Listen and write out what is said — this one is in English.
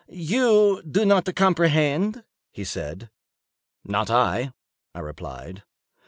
"You do not comprehend?" he said. "Not I," I replied.